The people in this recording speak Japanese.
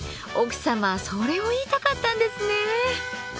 奥様それを言いたかったんですね。